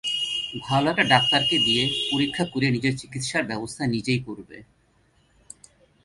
ভালো একটা ডাক্তারকে দিয়ে পরীক্ষা করিয়ে নিজের চিকিৎসার ব্যবস্থা নিজেই করবে।